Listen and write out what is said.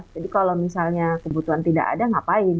jadi kalau misalnya kebutuhan tidak ada ngapain